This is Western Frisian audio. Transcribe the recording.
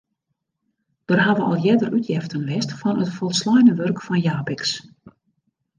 Der hawwe al earder útjeften west fan it folsleine wurk fan Japicx.